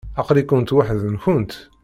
Aql-ikent weḥd-nkent?